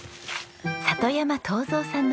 里山東三さんの畑です。